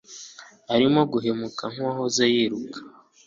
arimo guhumeka nkuwahoze yiruka